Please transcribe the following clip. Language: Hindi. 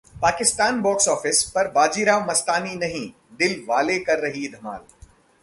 पाकिस्तान बॉक्स ऑफिस पर 'बाजीराव मस्तानी' नहीं 'दिलवाले' कर रही है धमाल